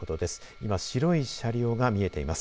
今、白い車両が見えています。